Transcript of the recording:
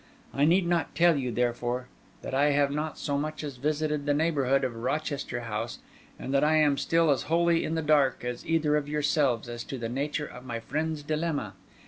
I need not tell you, therefore, that I have not so much as visited the neighbourhood of Rochester House; and that I am still as wholly in the dark as either of yourselves as to the nature of my friend's dilemma.